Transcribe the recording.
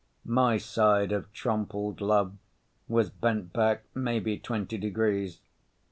My side of Trompled Love was bent back maybe twenty degrees.